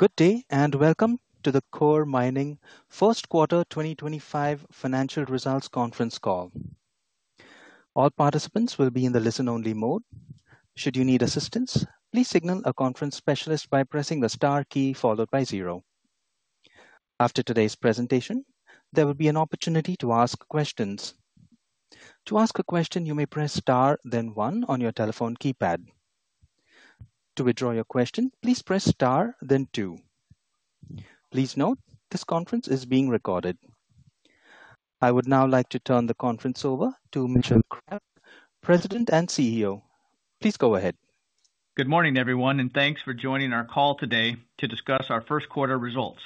Good day and welcome to the Coeur Mining First Quarter 2025 Financial Results Conference call. All participants will be in the listen-only mode. Should you need assistance, please signal a conference specialist by pressing the star key followed by zero. After today's presentation, there will be an opportunity to ask questions. To ask a question, you may press star, then one on your telephone keypad. To withdraw your question, please press star, then two. Please note this conference is being recorded. I would now like to turn the conference over to Mitchell Krebs, President and CEO. Please go ahead. Good morning, everyone, and thanks for joining our call today to discuss our first quarter results.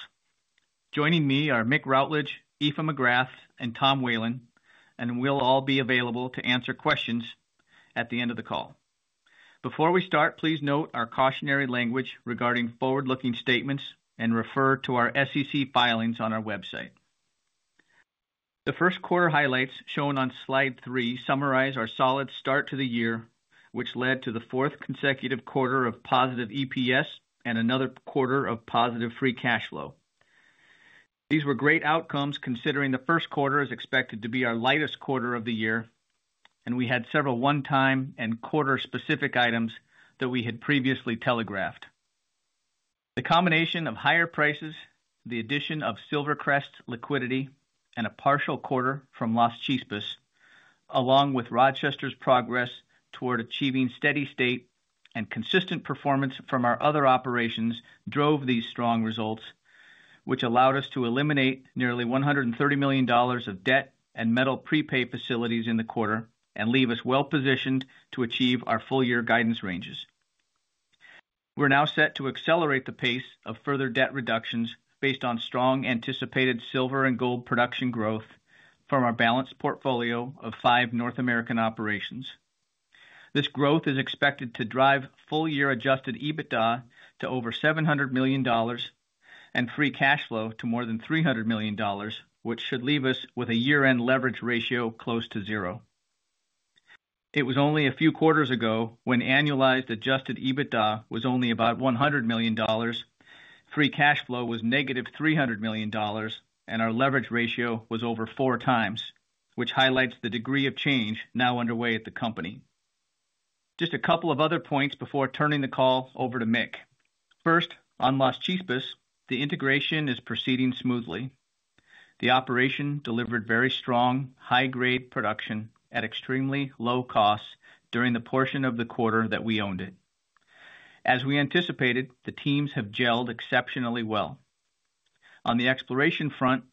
Joining me are Mick Routledge, Aoife McGrath, and Tom Whelan, and we'll all be available to answer questions at the end of the call. Before we start, please note our cautionary language regarding forward-looking statements and refer to our SEC filings on our website. The first quarter highlights shown on slide three summarize our solid start to the year, which led to the fourth consecutive quarter of positive EPS and another quarter of positive free cash flow. These were great outcomes considering the first quarter is expected to be our lightest quarter of the year, and we had several one-time and quarter-specific items that we had previously telegraphed. The combination of higher prices, the addition of SilverCrest liquidity, and a partial quarter from Las Chispas, along with Rochester's progress toward achieving steady state and consistent performance from our other operations, drove these strong results, which allowed us to eliminate nearly $130 million of debt and metal prepay facilities in the quarter and leave us well positioned to achieve our full-year guidance ranges. We're now set to accelerate the pace of further debt reductions based on strong anticipated silver and gold production growth from our balanced portfolio of five North American operations. This growth is expected to drive full-year adjusted EBITDA to over $700 million and free cash flow to more than $300 million, which should leave us with a year-end leverage ratio close to zero. It was only a few quarters ago when annualized adjusted EBITDA was only about $100 million, free cash flow was negative $300 million, and our leverage ratio was over four times, which highlights the degree of change now underway at the company. Just a couple of other points before turning the call over to Mick. First, on Las Chispas, the integration is proceeding smoothly. The operation delivered very strong, high-grade production at extremely low costs during the portion of the quarter that we owned it. As we anticipated, the teams have gelled exceptionally well. On the exploration front,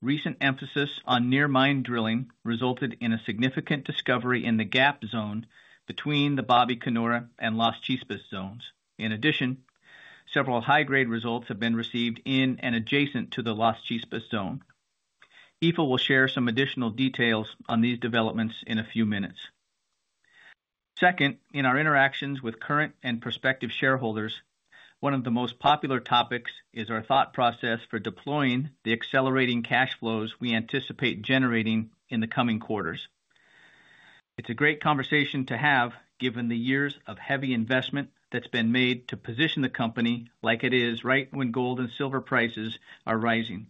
recent emphasis on near-mine drilling resulted in a significant discovery in the gap zone between the Babicanora and Las Chispas zones. In addition, several high-grade results have been received in and adjacent to the Las Chispas zone. Aoife will share some additional details on these developments in a few minutes. Second, in our interactions with current and prospective shareholders, one of the most popular topics is our thought process for deploying the accelerating cash flows we anticipate generating in the coming quarters. It's a great conversation to have given the years of heavy investment that's been made to position the company like it is right when gold and silver prices are rising.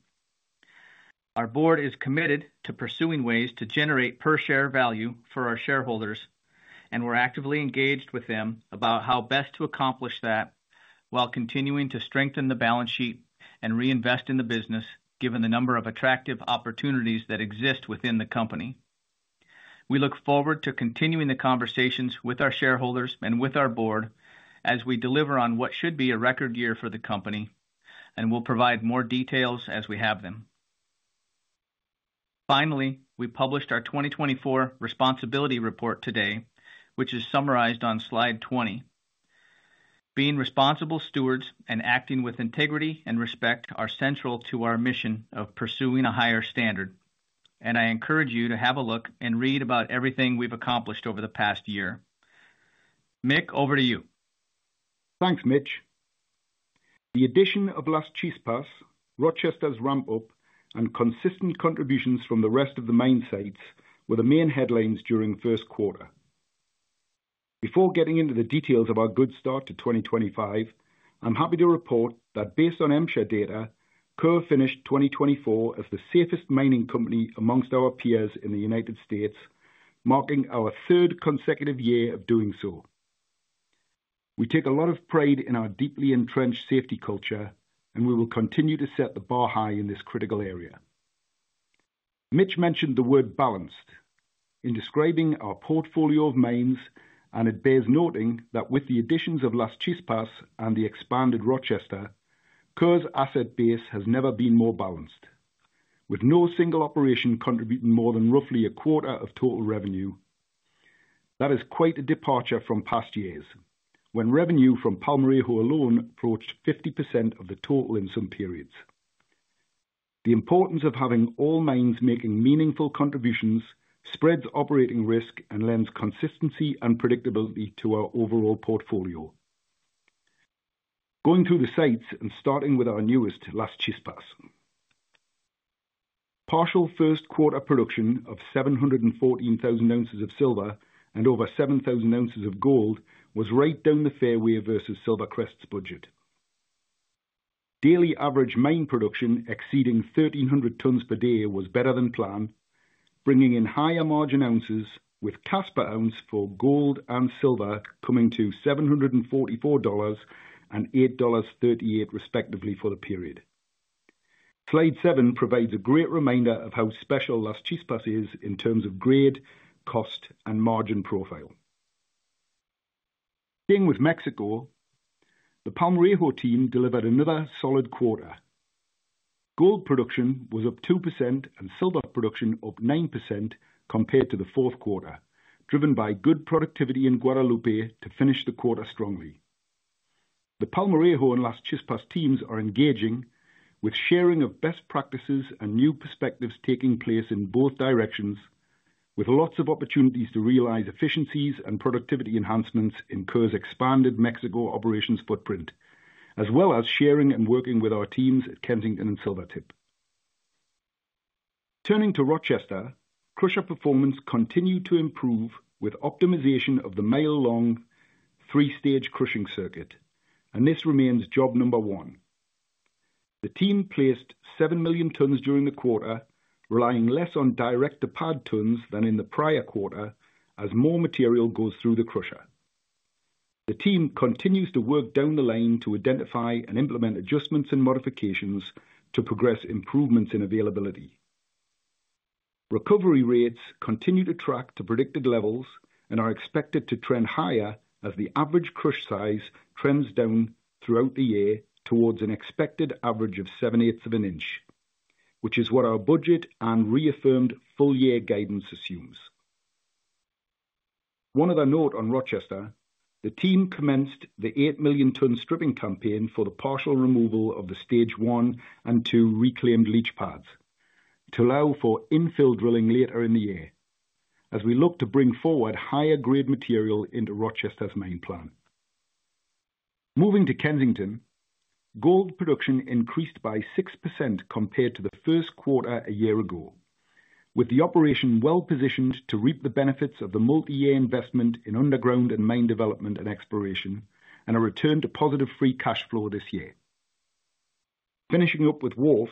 Our board is committed to pursuing ways to generate per-share value for our shareholders, and we're actively engaged with them about how best to accomplish that while continuing to strengthen the balance sheet and reinvest in the business given the number of attractive opportunities that exist within the company. We look forward to continuing the conversations with our shareholders and with our board as we deliver on what should be a record year for the company, and we'll provide more details as we have them. Finally, we published our 2024 responsibility report today, which is summarized on slide 20. Being responsible stewards and acting with integrity and respect are central to our mission of pursuing a higher standard, and I encourage you to have a look and read about everything we have accomplished over the past year. Mick, over to you. Thanks, Mitch. The addition of Las Chispas, Rochester's ramp-up, and consistent contributions from the rest of the mines were the main headlines during first quarter. Before getting into the details of our good start to 2025, I'm happy to report that based on MSHA data, Coeur finished 2024 as the safest mining company amongst our peers in the U.S., marking our third consecutive year of doing so. We take a lot of pride in our deeply entrenched safety culture, and we will continue to set the bar high in this critical area. Mitch mentioned the word balanced in describing our portfolio of mines, and it bears noting that with the additions of Las Chispas and the expanded Rochester, Coeur's asset base has never been more balanced, with no single operation contributing more than roughly a quarter of total revenue. That is quite a departure from past years, when revenue from Palmarejo approached 50% of the total in some periods. The importance of having all mines making meaningful contributions spreads operating risk and lends consistency and predictability to our overall portfolio. Going through the sites and starting with our newest, Las Chispas, partial first quarter production of 714,000 ounces of silver and over 7,000 ounces of gold was right down the fairway versus SilverCrest's budget. Daily average mine production exceeding 1,300 tons per day was better than planned, bringing in higher margin ounces with CAS per ounce for gold and silver coming to $744 and $8.38 respectively for the period. Slide seven provides a great reminder of how special Las Chispas is in terms of grade, cost, and margin profile. Starting with Mexico, the Palmarejo team delivered another solid quarter. Gold production was up two percent and silver production up nine percent compared to the fourth quarter, driven by good productivity in Guadalupe to finish the quarter strongly. The Palmarejo and Las Chispas teams are engaging, with sharing of best practices and new perspectives taking place in both directions, with lots of opportunities to realize efficiencies and productivity enhancements in Coeur's expanded Mexico operations footprint, as well as sharing and working with our teams at Kensington and Silvertip. Turning to Rochester, crusher performance continued to improve with optimization of the Metso three-stage crushing circuit, and this remains job number one. The team placed 7 million tons during the quarter, relying less on direct-to-pad tons than in the prior quarter as more material goes through the crusher. The team continues to work down the line to identify and implement adjustments and modifications to progress improvements in availability. Recovery rates continue to track to predicted levels and are expected to trend higher as the average crush size trends down throughout the year towards an expected average of 7/8 of an inch, which is what our budget and reaffirmed full-year guidance assumes. One other note on Rochester, the team commenced the eight million ton stripping campaign for the partial removal of the stage one and two reclaimed leach pads to allow for infill drilling later in the year as we look to bring forward higher-grade material into Rochester's main plan. Moving to Kensington, gold production increased by six percent compared to the first quarter a year ago, with the operation well positioned to reap the benefits of the multi-year investment in underground and main development and exploration and a return to positive free cash flow this year. Finishing up with Wharf,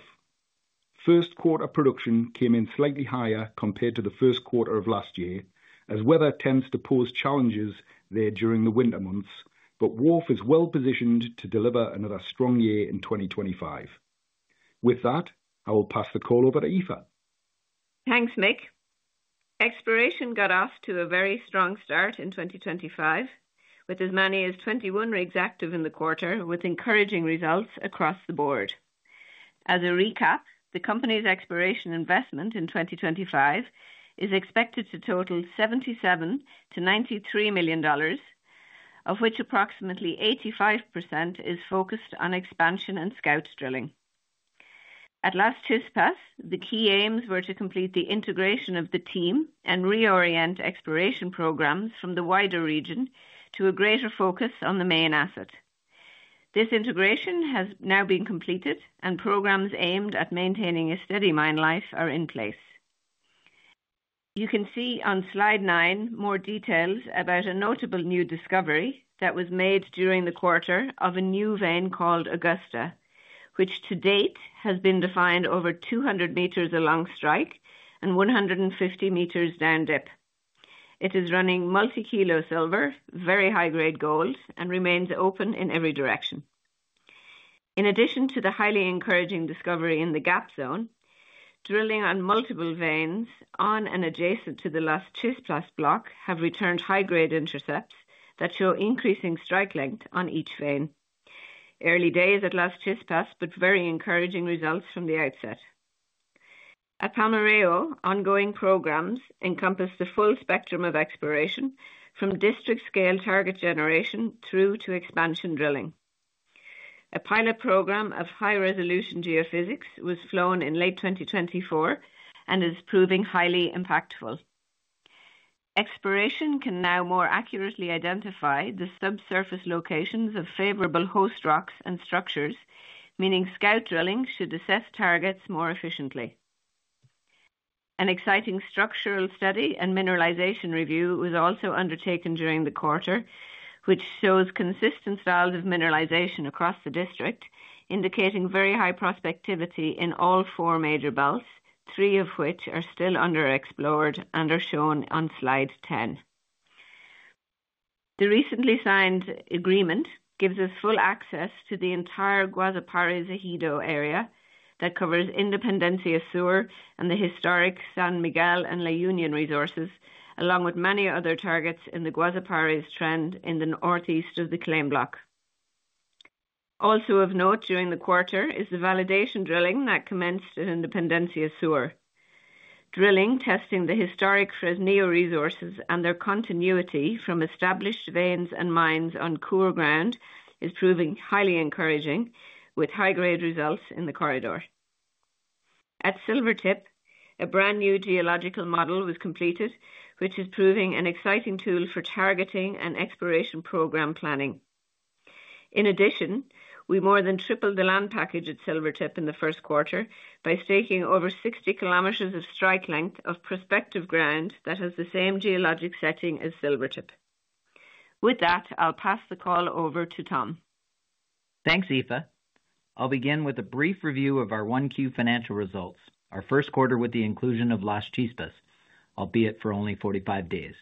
first quarter production came in slightly higher compared to the first quarter of last year as weather tends to pose challenges there during the winter months, but Wharf is well positioned to deliver another strong year in 2025. With that, I will pass the call over to Aoife. Thanks, Mick. Exploration got off to a very strong start in 2025 with as many as 21 rigs active in the quarter, with encouraging results across the board. As a recap, the company's exploration investment in 2025 is expected to total $77-$93 million, of which approximately 85% is focused on expansion and scout drilling. At Las Chispas, the key aims were to complete the integration of the team and reorient exploration programs from the wider region to a greater focus on the main asset. This integration has now been completed, and programs aimed at maintaining a steady mine life are in place. You can see on slide nine more details about a notable new discovery that was made during the quarter of a new vein called Augusta, which to date has been defined over 200 meters along strike and 150 meters down dip. It is running multi-kilo silver, very high-grade gold, and remains open in every direction. In addition to the highly encouraging discovery in the gap zone, drilling on multiple veins on and adjacent to the Las Chispas block have returned high-grade intercepts that show increasing strike length on each vein. Early days at Las Chispas, but very encouraging results from the outset. At Palmarejo, ongoing programs encompass the full spectrum of exploration from district-scale target generation through to expansion drilling. A pilot program of high-resolution geophysics was flown in late 2024 and is proving highly impactful. Exploration can now more accurately identify the subsurface locations of favorable host rocks and structures, meaning scout drilling should assess targets more efficiently. An exciting structural study and mineralization review was also undertaken during the quarter, which shows consistent styles of mineralization across the district, indicating very high prospectivity in all four major belts, three of which are still underexplored and are shown on slide 10. The recently signed agreement gives us full access to the entire Guazapares Zahido area that covers Independencia Sur and the historic San Miguel and La Union resources, along with many other targets in the Guazapares trend in the northeast of the claim block. Also of note during the quarter is the validation drilling that commenced at Independencia Sur. Drilling testing the historic Fresnillo resources and their continuity from established veins and mines on Coeur ground is proving highly encouraging, with high-grade results in the corridor. At Silvertip, a brand new geological model was completed, which is proving an exciting tool for targeting and exploration program planning. In addition, we more than tripled the land package at Silvertip in the first quarter by staking over 60 km of strike length of prospective ground that has the same geologic setting as Silvertip. With that, I'll pass the call over to Tom. Thanks, Aoife. I'll begin with a brief review of our Q1 financial results, our first quarter with the inclusion of Las Chispas, albeit for only 45 days.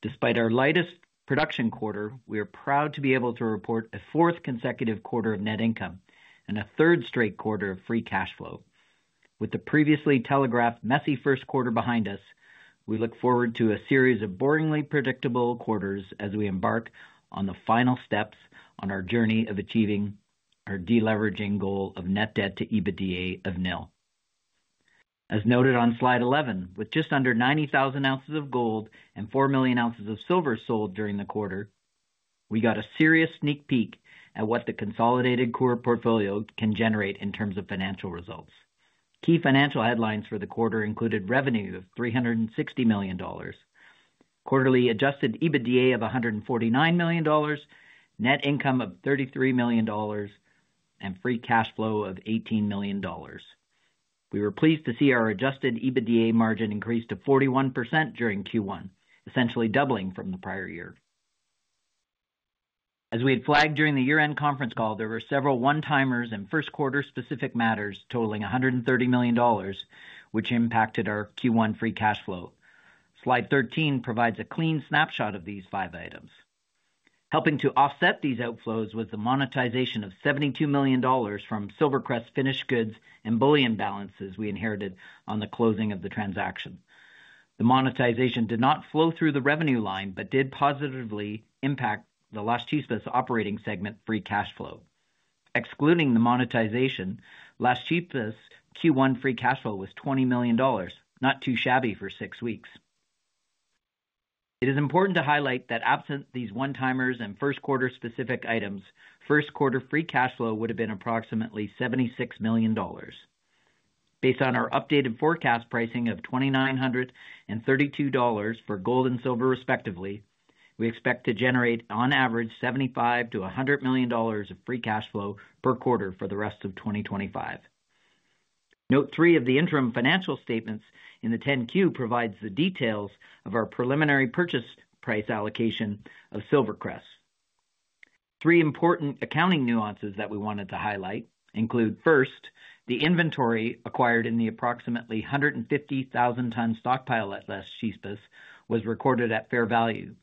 Despite our lightest production quarter, we are proud to be able to report a fourth consecutive quarter of net income and a third straight quarter of free cash flow. With the previously telegraphed messy first quarter behind us, we look forward to a series of boringly predictable quarters as we embark on the final steps on our journey of achieving our deleveraging goal of net debt to EBITDA of nil. As noted on slide 11, with just under 90,000 ounces of gold and four million ounces of silver sold during the quarter, we got a serious sneak peek at what the consolidated core portfolio can generate in terms of financial results. Key financial headlines for the quarter included revenue of $360 million, quarterly adjusted EBITDA of $149 million, net income of $33 million, and free cash flow of $18 million. We were pleased to see our adjusted EBITDA margin increased to 41% during Q1, essentially doubling from the prior year. As we had flagged during the year-end conference call, there were several one-timers and first quarter specific matters totaling $130 million, which impacted our Q1 free cash flow. Slide 13 provides a clean snapshot of these five items, helping to offset these outflows with the monetization of $72 million from SilverCrest finished goods and bullion balances we inherited on the closing of the transaction. The monetization did not flow through the revenue line but did positively impact the Las Chispas operating segment free cash flow. Excluding the monetization, Las Chispas Q1 free cash flow was $20 million, not too shabby for six weeks. It is important to highlight that absent these one-timers and first quarter specific items, first quarter free cash flow would have been approximately $76 million. Based on our updated forecast pricing of $2,900 and $32 for gold and silver respectively, we expect to generate on average $75-$100 million of free cash flow per quarter for the rest of 2025. Note three of the interim financial statements in the 10-Q provides the details of our preliminary purchase price allocation of SilverCrest. Three important accounting nuances that we wanted to highlight include first, the inventory acquired in the approximately 150,000-ton stockpile at Las Chispas was recorded at fair value,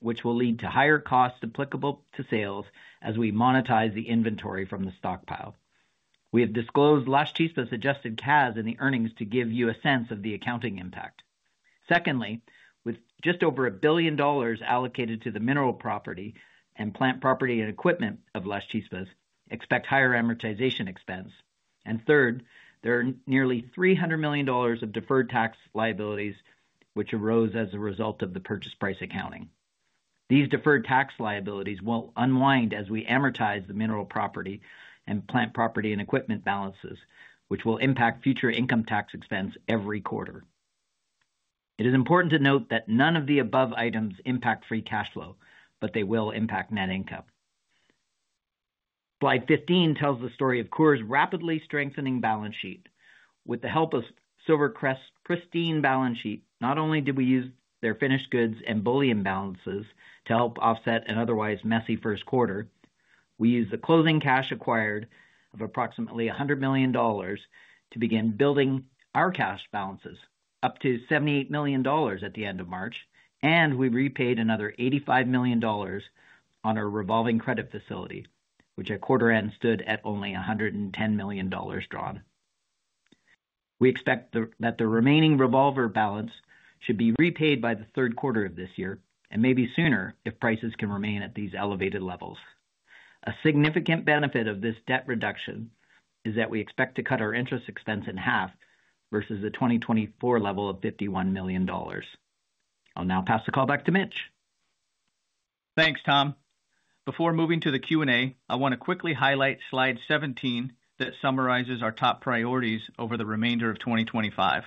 which will lead to higher costs applicable to sales as we monetize the inventory from the stockpile. We have disclosed Las Chispas' adjusted CAS in the earnings to give you a sense of the accounting impact. Secondly, with just over $1 billion allocated to the mineral property and plant property and equipment of Las Chispas, expect higher amortization expense. Third, there are nearly $300 million of deferred tax liabilities which arose as a result of the purchase price accounting. These deferred tax liabilities will unwind as we amortize the mineral property and plant property and equipment balances, which will impact future income tax expense every quarter. It is important to note that none of the above items impact free cash flow, but they will impact net income. Slide 15 tells the story of Coeur's rapidly strengthening balance sheet. With the help of SilverCrest's pristine balance sheet, not only did we use their finished goods and bullion balances to help offset an otherwise messy first quarter, we used the closing cash acquired of approximately $100 million to begin building our cash balances up to $78 million at the end of March, and we repaid another $85 million on our revolving credit facility, which at quarter end stood at only $110 million drawn. We expect that the remaining revolver balance should be repaid by the third quarter of this year and maybe sooner if prices can remain at these elevated levels. A significant benefit of this debt reduction is that we expect to cut our interest expense in half versus the 2024 level of $51 million. I'll now pass the call back to Mitch. Thanks, Tom. Before moving to the Q&A, I want to quickly highlight slide 17 that summarizes our top priorities over the remainder of 2025.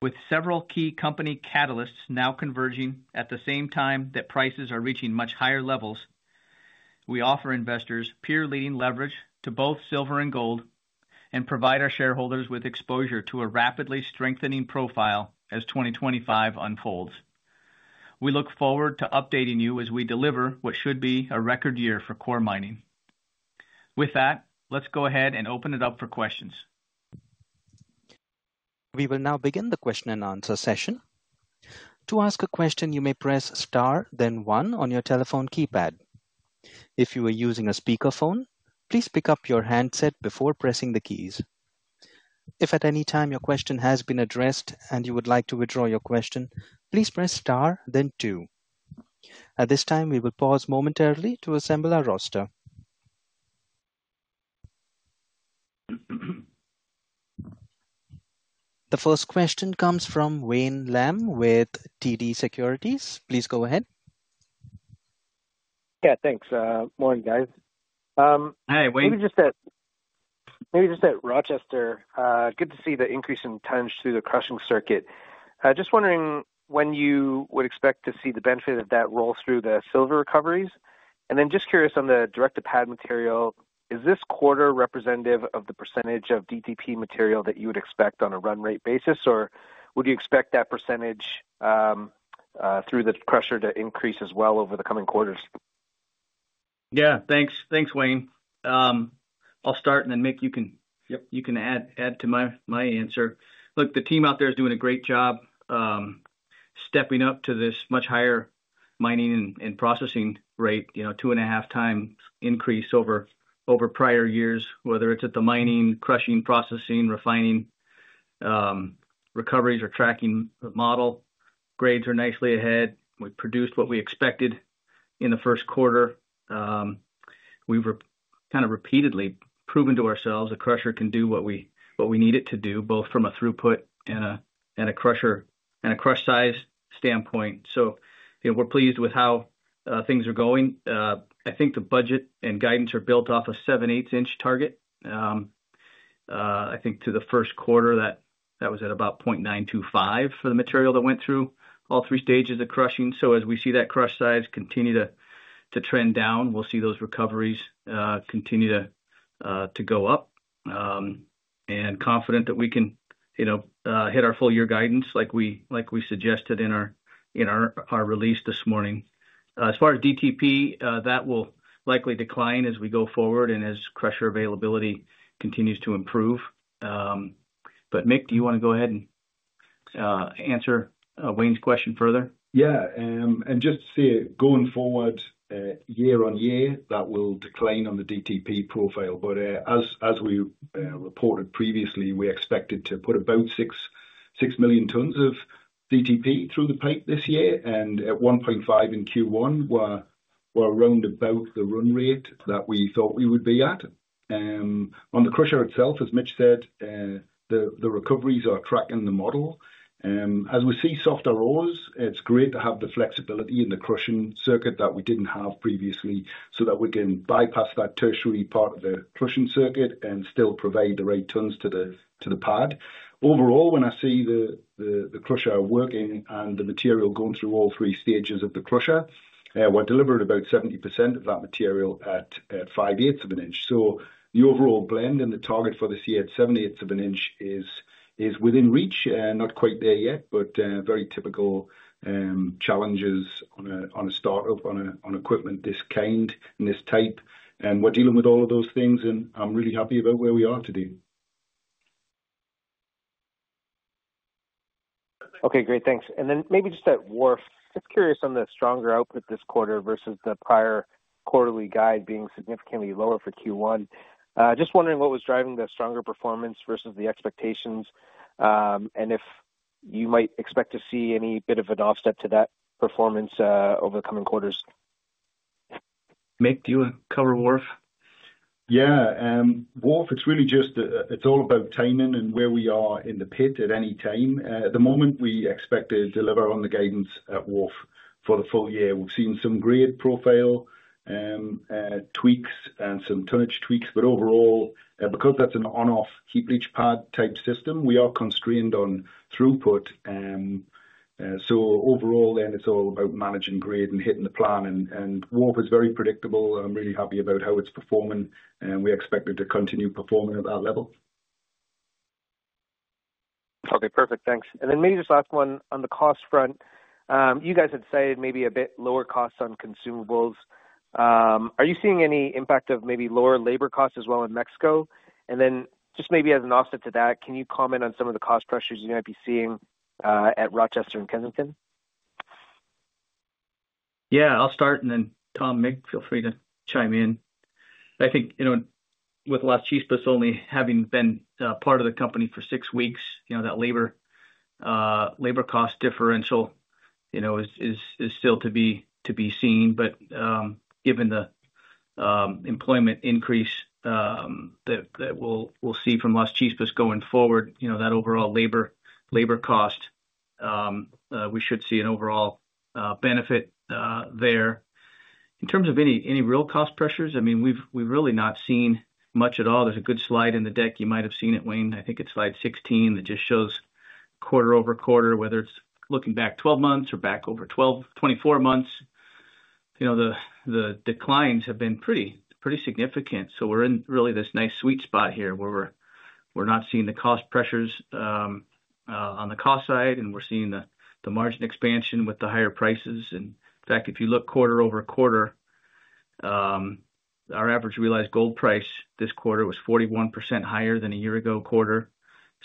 With several key company catalysts now converging at the same time that prices are reaching much higher levels, we offer investors peer-leading leverage to both silver and gold and provide our shareholders with exposure to a rapidly strengthening profile as 2025 unfolds. We look forward to updating you as we deliver what should be a record year for Coeur Mining. With that, let's go ahead and open it up for questions. We will now begin the question and answer session. To ask a question, you may press star, then one on your telephone keypad. If you are using a speakerphone, please pick up your handset before pressing the keys. If at any time your question has been addressed and you would like to withdraw your question, please press star, then two. At this time, we will pause momentarily to assemble our roster. The first question comes from Wayne Lam with TD Securities. Please go ahead. Yeah, thanks. Morning, guys. Hey, Wayne. Maybe just at Rochester, good to see the increase in tonnage through the crushing circuit. Just wondering when you would expect to see the benefit of that roll through the silver recoveries. Just curious on the direct-to-pad material, is this quarter representative of the percentage of DTP material that you would expect on a run rate basis, or would you expect that percentage through the crusher to increase as well over the coming quarters? Yeah, thanks, Wayne. I'll start, and then Mick, you can add to my answer. Look, the team out there is doing a great job stepping up to this much higher mining and processing rate, two and a half times increase over prior years, whether it's at the mining, crushing, processing, refining, recoveries, or tracking model. Grades are nicely ahead. We produced what we expected in the first quarter. We've kind of repeatedly proven to ourselves the crusher can do what we need it to do, both from a throughput and a crush size standpoint. We are pleased with how things are going. I think the budget and guidance are built off a seven-eighths inch target. I think to the first quarter, that was at about 0.925 inch for the material that went through all three stages of crushing. As we see that crush size continue to trend down, we'll see those recoveries continue to go up. Confident that we can hit our full year guidance like we suggested in our release this morning. As far as DTP, that will likely decline as we go forward and as crusher availability continues to improve. Mick, do you want to go ahead and answer Wayne's question further? Yeah. Just to see it going forward year on year, that will decline on the DTP profile. As we reported previously, we expected to put about six million tons of DTP through the pipe this year. At 1.5 in Q1, we're around about the run rate that we thought we would be at. On the crusher itself, as Mitch said, the recoveries are tracking the model. As we see softer rows, it's great to have the flexibility in the crushing circuit that we didn't have previously so that we can bypass that tertiary part of the crushing circuit and still provide the right tons to the pad. Overall, when I see the crusher working and the material going through all three stages of the crusher, we're delivering about 70% of that material at 5/8 of an inch. The overall blend and the target for this year at 7/8 of an inch is within reach, not quite there yet, but very typical challenges on a startup on equipment this kind and this type. We are dealing with all of those things, and I'm really happy about where we are today. Okay, great. Thanks. Maybe just at Wharf, just curious on the stronger output this quarter versus the prior quarterly guide being significantly lower for Q1. Just wondering what was driving the stronger performance versus the expectations and if you might expect to see any bit of an offset to that performance over the coming quarters. Mick, do you want to cover Wharf? Yeah. Wharf, it's really just it's all about timing and where we are in the pit at any time. At the moment, we expect to deliver on the guidance at Wharf for the full year. We've seen some grade profile tweaks and some tonnage tweaks. Overall, because that's an on-off heap leach pad type system, we are constrained on throughput. Overall, then it's all about managing grade and hitting the plan. Wharf is very predictable. I'm really happy about how it's performing. We expect it to continue performing at that level. Okay, perfect. Thanks. Maybe just last one on the cost front. You guys had cited maybe a bit lower costs on consumables. Are you seeing any impact of maybe lower labor costs as well in Mexico? Just maybe as an offset to that, can you comment on some of the cost pressures you might be seeing at Rochester and Kensington? Yeah, I'll start, and then Tom, Mick, feel free to chime in. I think with Las Chispas only having been part of the company for six weeks, that labor cost differential is still to be seen. But given the employment increase that we'll see from Las Chispas going forward, that overall labor cost, we should see an overall benefit there. In terms of any real cost pressures, I mean, we've really not seen much at all. There's a good slide in the deck. You might have seen it, Wayne. I think it's slide 16 that just shows quarter over quarter, whether it's looking back 12 months or back over 24 months. The declines have been pretty significant. We are in really this nice sweet spot here where we're not seeing the cost pressures on the cost side, and we're seeing the margin expansion with the higher prices. In fact, if you look quarter over quarter, our average realized gold price this quarter was 41% higher than a year ago quarter.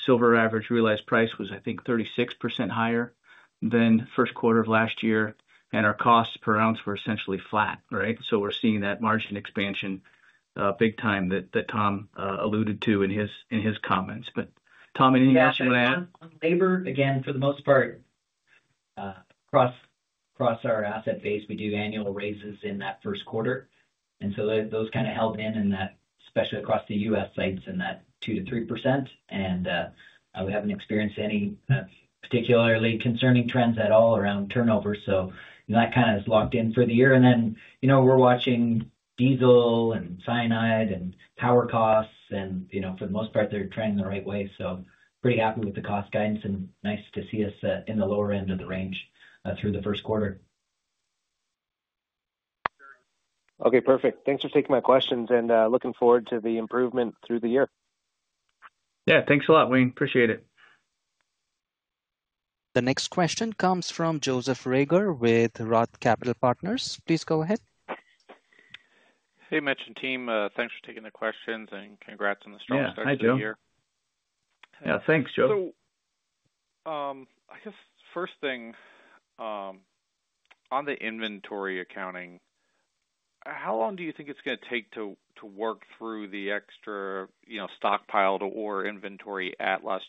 Silver average realized price was, I think, 36% higher than first quarter of last year. Our costs per ounce were essentially flat, right? We are seeing that margin expansion big time that Tom alluded to in his comments. Tom, anything else you want to add? Labor, again, for the most part, across our asset base, we do annual raises in that first quarter. Those kind of held in, especially across the U.S. sites in that 2%-3%. We have not experienced any particularly concerning trends at all around turnover. That kind of has locked in for the year. We are watching diesel and cyanide and power costs. For the most part, they are trending the right way. Pretty happy with the cost guidance and nice to see us in the lower end of the range through the first quarter. Okay, perfect. Thanks for taking my questions and looking forward to the improvement through the year. Yeah, thanks a lot, Wayne. Appreciate it. The next question comes from Joseph Reagor with Roth Capital Partners. Please go ahead. Hey, Mitch and team, thanks for taking the questions and congrats on the strong start to the year. Yeah, thanks, Joe. I guess first thing, on the inventory accounting, how long do you think it's going to take to work through the extra stockpile to order inventory at Las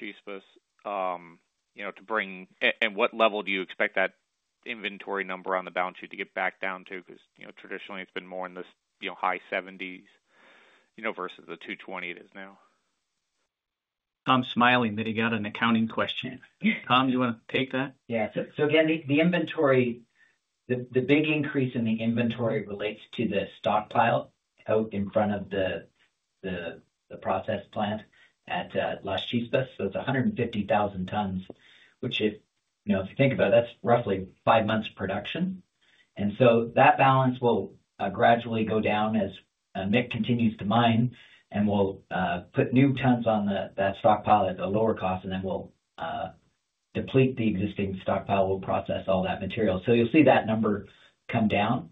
Chispas to bring? And what level do you expect that inventory number on the balance sheet to get back down to? Because traditionally, it's been more in the high 70s versus the 220 it is now. Tom's smiling that he got an accounting question. Tom, do you want to take that? Yeah. Again, the big increase in the inventory relates to the stockpile out in front of the process plant at Las Chispas. It is 150,000 tons, which if you think about it, that is roughly five months of production. That balance will gradually go down as Mick continues to mine and will put new tons on that stockpile at a lower cost, and then we will deplete the existing stockpile. We will process all that material. You will see that number come down.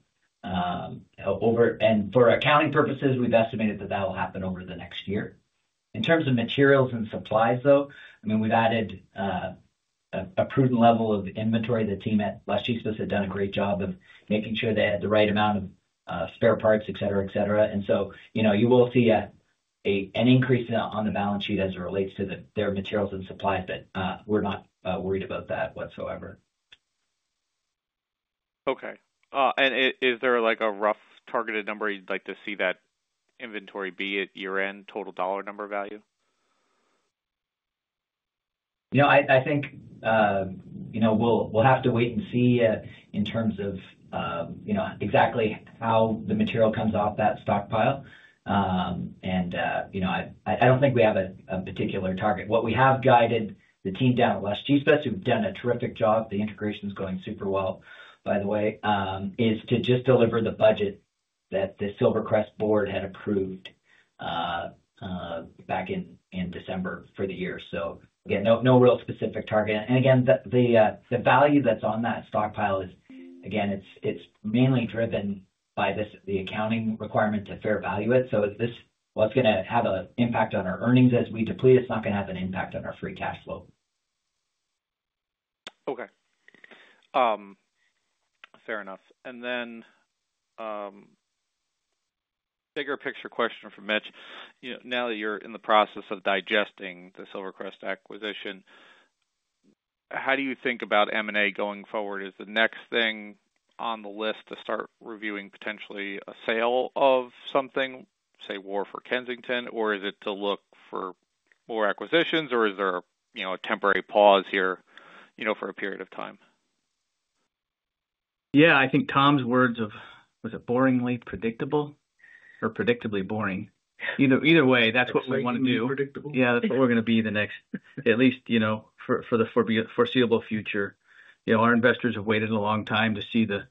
For accounting purposes, we have estimated that will happen over the next year. In terms of materials and supplies, though, I mean, we have added a prudent level of inventory. The team at Las Chispas had done a great job of making sure they had the right amount of spare parts, etc., etc. You will see an increase on the balance sheet as it relates to their materials and supplies, but we're not worried about that whatsoever. Okay. Is there a rough targeted number you'd like to see that inventory be at year-end, total dollar number value? No, I think we'll have to wait and see in terms of exactly how the material comes off that stockpile. I don't think we have a particular target. What we have guided the team down at Las Chispas, who've done a terrific job, the integration's going super well, by the way, is to just deliver the budget that the SilverCrest board had approved back in December for the year. Again, no real specific target. The value that's on that stockpile is mainly driven by the accounting requirement to fair value it. While it's going to have an impact on our earnings as we deplete, it's not going to have an impact on our free cash flow. Okay. Fair enough. Bigger picture question for Mitch. Now that you're in the process of digesting the SilverCrest acquisition, how do you think about M&A going forward? Is the next thing on the list to start reviewing potentially a sale of something, say, Wharf or Kensington, or is it to look for more acquisitions, or is there a temporary pause here for a period of time? Yeah, I think Tom's words of, was it boringly predictable or predictably boring? Either way, that's what we want to do. Absolutely predictable. Yeah, that's what we're going to be the next, at least for the foreseeable future. Our investors have waited a long time to see the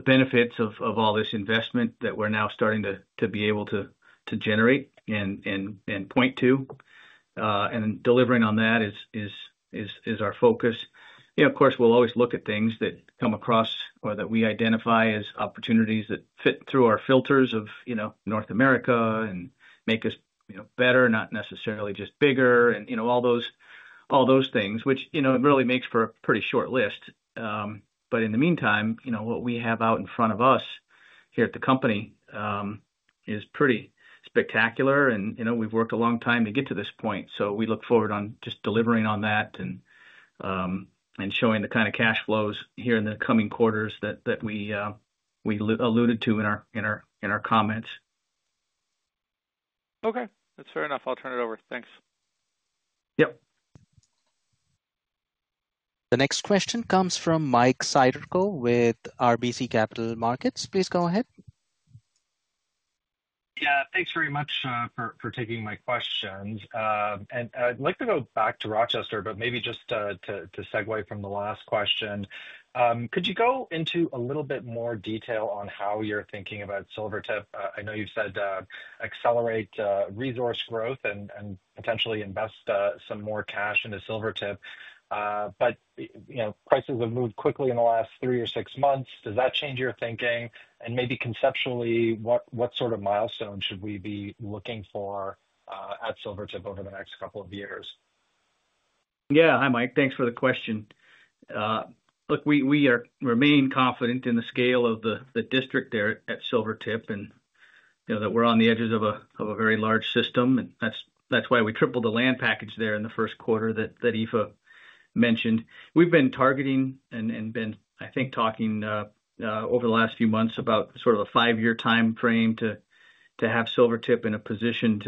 benefits of all this investment that we're now starting to be able to generate and point to. Delivering on that is our focus. Of course, we'll always look at things that come across or that we identify as opportunities that fit through our filters of North America and make us better, not necessarily just bigger, and all those things, which really makes for a pretty short list. In the meantime, what we have out in front of us here at the company is pretty spectacular, and we've worked a long time to get to this point. We look forward on just delivering on that and showing the kind of cash flows here in the coming quarters that we alluded to in our comments. Okay. That's fair enough. I'll turn it over. Thanks. Yep. The next question comes from Mike Cycle with RBC Capital Markets. Please go ahead. Yeah. Thanks very much for taking my questions. I'd like to go back to Rochester, but maybe just to segue from the last question, could you go into a little bit more detail on how you're thinking about Silvertip? I know you've said accelerate resource growth and potentially invest some more cash into Silvertip. Prices have moved quickly in the last three or six months. Does that change your thinking? Maybe conceptually, what sort of milestones should we be looking for at Silvertip over the next couple of years? Yeah. Hi, Mike. Thanks for the question. Look, we remain confident in the scale of the district there at Silvertip and that we're on the edges of a very large system. That is why we tripled the land package there in the first quarter that Aoife mentioned. We've been targeting and been, I think, talking over the last few months about sort of a five-year time frame to have Silvertip in a position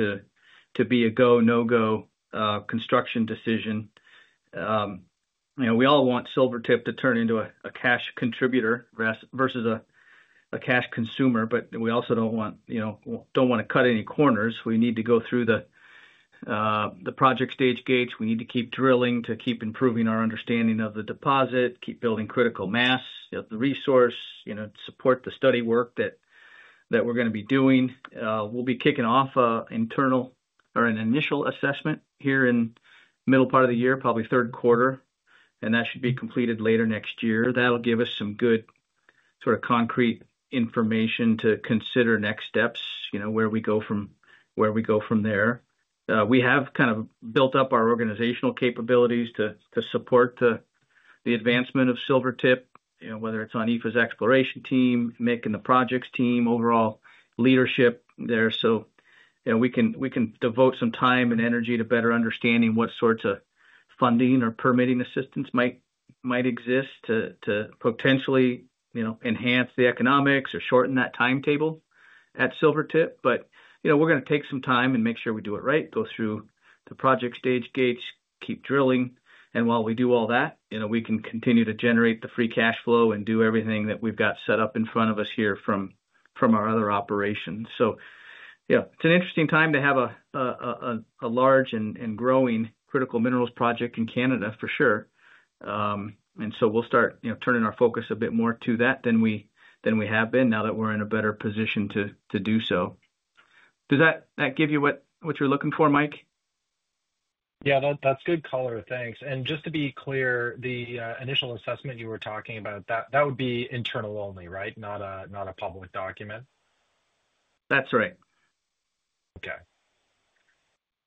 to be a go, no-go construction decision. We all want Silvertip to turn into a cash contributor versus a cash consumer, but we also do not want to cut any corners. We need to go through the project stage gates. We need to keep drilling to keep improving our understanding of the deposit, keep building critical mass of the resource, support the study work that we're going to be doing. We'll be kicking off an initial assessment here in the middle part of the year, probably third quarter, and that should be completed later next year. That'll give us some good sort of concrete information to consider next steps, where we go from there. We have kind of built up our organizational capabilities to support the advancement of Silvertip, whether it's on Aoife's exploration team, Mick and the projects team, overall leadership there. We can devote some time and energy to better understanding what sorts of funding or permitting assistance might exist to potentially enhance the economics or shorten that timetable at Silvertip. We are going to take some time and make sure we do it right, go through the project stage gates, keep drilling. While we do all that, we can continue to generate the free cash flow and do everything that we've got set up in front of us here from our other operations. Yeah, it's an interesting time to have a large and growing critical minerals project in Canada, for sure. We'll start turning our focus a bit more to that than we have been now that we're in a better position to do so. Does that give you what you're looking for, Mike? Yeah, that's good color. Thanks. Just to be clear, the initial assessment you were talking about, that would be internal only, right? Not a public document? That's right. Okay.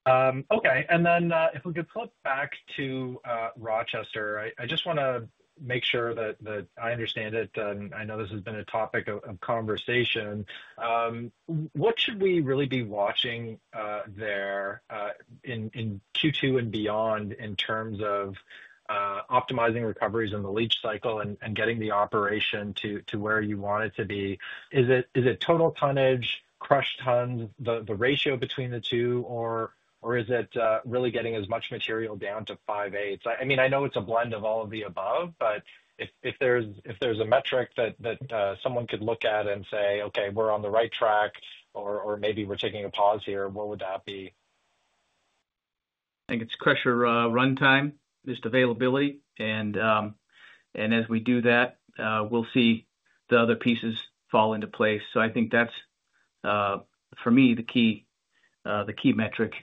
Okay. If we could flip back to Rochester, I just want to make sure that I understand it. I know this has been a topic of conversation. What should we really be watching there in Q2 and beyond in terms of optimizing recoveries in the leach cycle and getting the operation to where you want it to be? Is it total tonnage, crushed tons, the ratio between the two, or is it really getting as much material down to 5/8? I mean, I know it's a blend of all of the above, but if there's a metric that someone could look at and say, "Okay, we're on the right track," or maybe we're taking a pause here, what would that be? I think it's crusher runtime, just availability. As we do that, we'll see the other pieces fall into place. I think that's, for me, the key metric.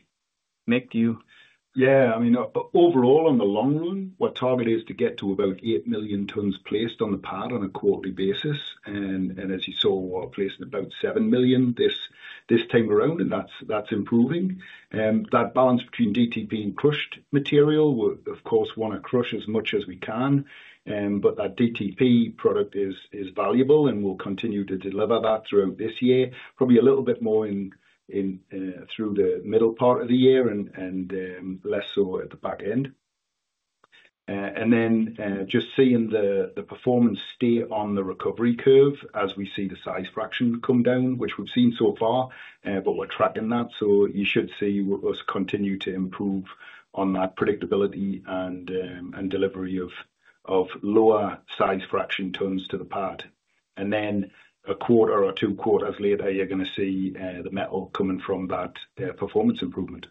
Mick, do you? Yeah. I mean, overall, in the long run, what target is to get to about eight million tons placed on the pile on a quarterly basis. As you saw, we're placing about eight million this time around, and that's improving. That balance between DTP and crushed material, we'll, of course, want to crush as much as we can. That DTP product is valuable, and we'll continue to deliver that throughout this year, probably a little bit more through the middle part of the year and less so at the back end. Just seeing the performance stay on the recovery curve as we see the size fraction come down, which we've seen so far, but we're tracking that. You should see us continue to improve on that predictability and delivery of lower size fraction tons to the pad. A quarter or two quarters later, you're going to see the metal coming from that performance improvement.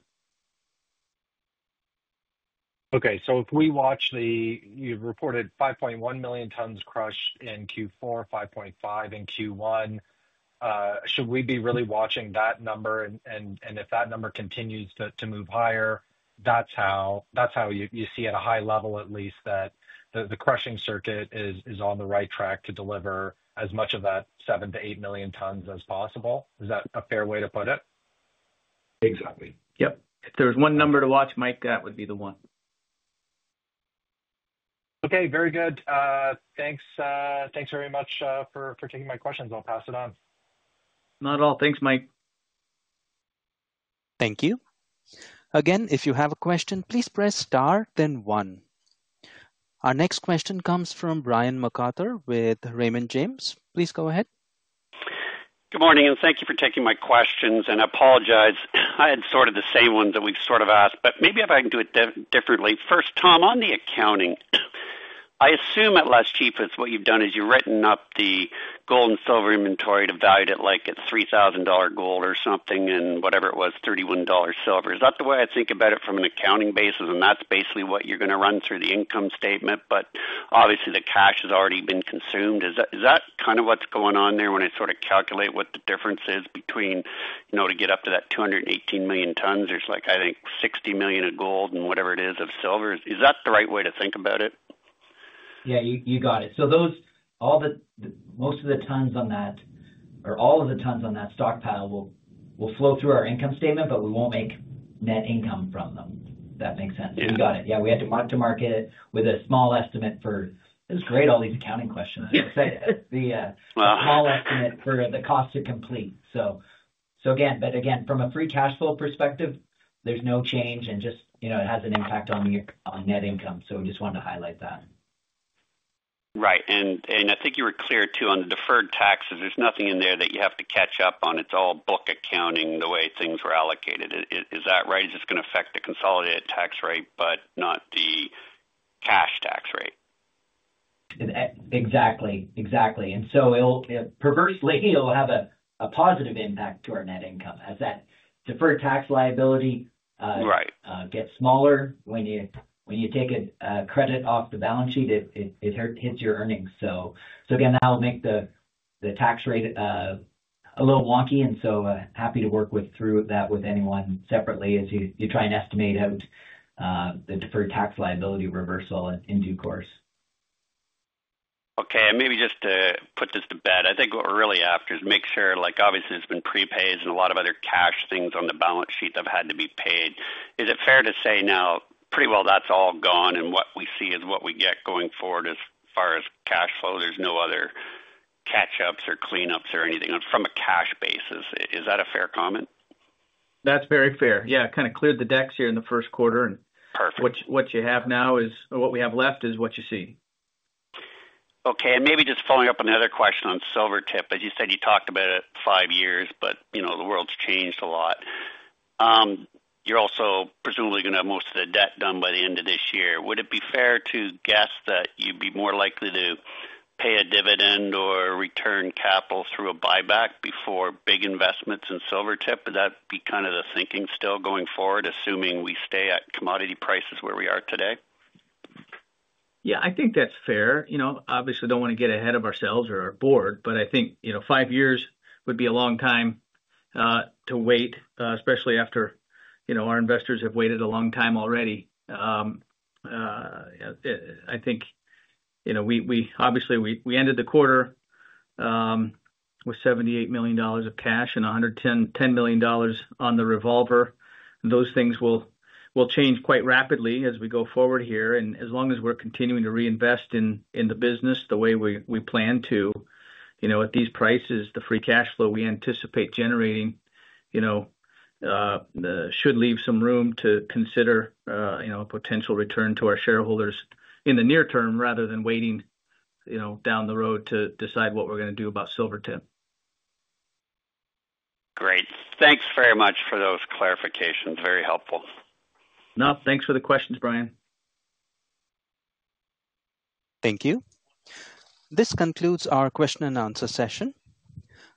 Okay. If we watch the, you've reported 5.1 million tons crushed in Q4, 5.5 in Q1, should we be really watching that number? If that number continues to move higher, that's how you see at a high level, at least, that the crushing circuit is on the right track to deliver as much of that 7-8 million tons as possible. Is that a fair way to put it? Exactly. Yep. If there was one number to watch, Mike, that would be the one. Okay. Very good. Thanks very much for taking my questions. I'll pass it on. Not at all. Thanks, Mike. Thank you. Again, if you have a question, please press star, then one. Our next question comes from Brian McArthur with Raymond James. Please go ahead. Good morning, and thank you for taking my questions. I apologize. I had sort of the same ones that we've sort of asked, but maybe if I can do it differently. First, Tom, on the accounting, I assume at Las Chispas, what you've done is you've written up the gold and silver inventory to value it like at $3,000 gold or something and whatever it was, $31 silver. Is that the way I think about it from an accounting basis? That's basically what you're going to run through the income statement, but obviously, the cash has already been consumed. Is that kind of what's going on there when I sort of calculate what the difference is between to get up to that 218 million tons? There's, I think, $60 million of gold and whatever it is of silver. Is that the right way to think about it? Yeah, you got it. Most of the tons on that, or all of the tons on that stockpile, will flow through our income statement, but we will not make net income from them. If that makes sense. You got it. We had to mark to market with a small estimate for it. It is great, all these accounting questions. I am excited. The small estimate for the cost to complete. Again, from a free cash flow perspective, there is no change, and it just has an impact on net income. We just wanted to highlight that. Right. I think you were clear, too, on the deferred taxes. There is nothing in there that you have to catch up on. It is all book accounting the way things were allocated. Is that right? It is just going to affect the consolidated tax rate, but not the cash tax rate. Exactly. Exactly. Perversely, it'll have a positive impact to our net income as that deferred tax liability gets smaller. When you take a credit off the balance sheet, it hits your earnings. That'll make the tax rate a little wonky. Happy to work through that with anyone separately as you try and estimate out the deferred tax liability reversal in due course. Okay. Maybe just to put this to bed, I think what we're really after is make sure, obviously, there's been prepays and a lot of other cash things on the balance sheet that have had to be paid. Is it fair to say now, pretty well that's all gone, and what we see is what we get going forward as far as cash flow? There's no other catch-ups or cleanups or anything from a cash basis. Is that a fair comment? That's very fair. Yeah. Kind of cleared the decks here in the first quarter. What you have now is what we have left is what you see. Okay. Maybe just following up on the other question on Silvertip, as you said, you talked about it five years, but the world's changed a lot. You're also presumably going to have most of the debt done by the end of this year. Would it be fair to guess that you'd be more likely to pay a dividend or return capital through a buyback before big investments in Silvertip? Would that be kind of the thinking still going forward, assuming we stay at commodity prices where we are today? Yeah, I think that's fair. Obviously, we don't want to get ahead of ourselves or our board, but I think five years would be a long time to wait, especially after our investors have waited a long time already. I think obviously, we ended the quarter with $78 million of cash and $110 million on the revolver. Those things will change quite rapidly as we go forward here. As long as we're continuing to reinvest in the business the way we plan to at these prices, the free cash flow we anticipate generating should leave some room to consider a potential return to our shareholders in the near term rather than waiting down the road to decide what we're going to do about Silvertip. Great. Thanks very much for those clarifications. Very helpful. Nope. Thanks for the questions, Brian. Thank you. This concludes our question and answer session.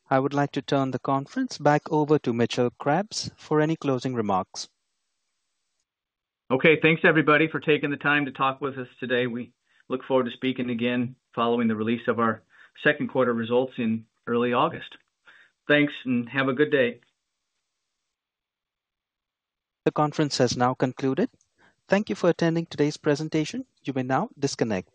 I would like to turn the conference back over to Mitchell Krebs for any closing remarks. Okay. Thanks, everybody, for taking the time to talk with us today. We look forward to speaking again following the release of our second quarter results in early August. Thanks, and have a good day. The conference has now concluded. Thank you for attending today's presentation. You may now disconnect.